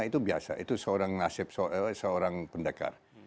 itu biasa itu seorang pendekar